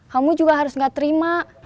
kamu juga harus gak terima